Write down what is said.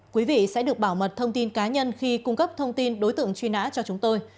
quý vị sẽ được bảo mật thông tin cá nhân khi cung cấp thông tin đối tượng truy nã cho chúng tôi